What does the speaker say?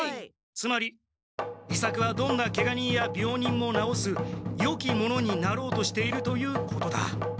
つまり伊作はどんなケガ人や病人もなおすよき者になろうとしているということだ。